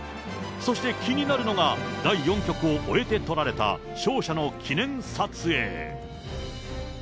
そして気になるのが、第４局を終えて撮られた勝者の記念撮影。